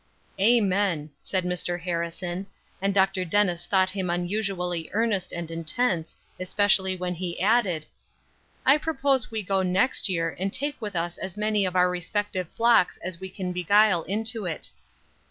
'" "Amen," said Mr. Harrison, and Dr. Dennis thought him unusually earnest and intense, especially when he added: "I propose we go next year, and take with us as many of our respective flocks as we can beguile into it."